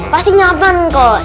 pasti nyaman kok